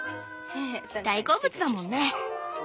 大好物だもんね。